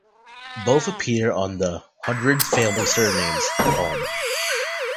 Both appear on the "Hundred Family Surnames" poem.